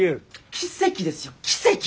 奇跡ですよ奇跡！